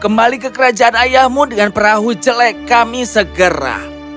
kembali ke kerajaan ayahmu dengan perahu jelek kami segera